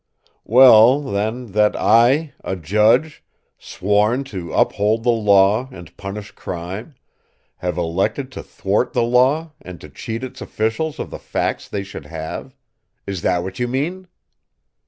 "Well, then, that I, a judge, sworn to uphold the law and punish crime, have elected to thwart the law and to cheat its officials of the facts they should have. Is that what you mean?"